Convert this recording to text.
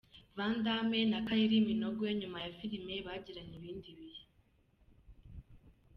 Van Damme na Kylie Minogue nyuma ya Filimi bagiranye ibindi bihe.